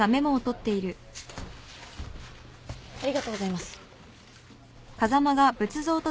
ありがとうございます。